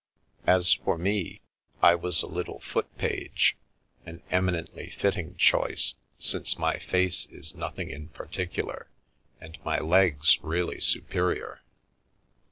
As for me, I was a little foot page, an eminently Via Amoris fitting choice, since my face is nothing in particular, and my legs really superior.